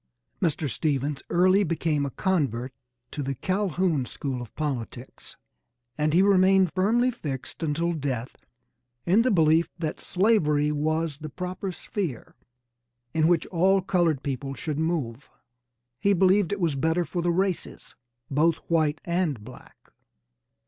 Mr. Stephens early became a convert to the Calhoun school of politics, and he remained firmly fixed until death in the belief that slavery was the proper sphere in which all colored people should move. He believed it was better for the races both white and black.